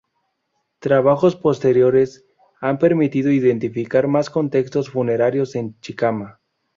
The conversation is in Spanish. Trabajos posteriores han permitido identificar más contextos funerarios en Chicama.